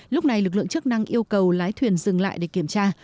lúc này lực lượng chức năng yêu cầu lái thuyền dừng lại để kiểm tra